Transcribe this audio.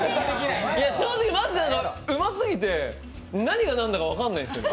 正直マジでうますぎて、何が何だか分からないんですよね。